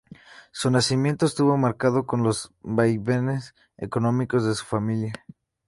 Su nacimiento estuvo marcado por los vaivenes económicos de su familia.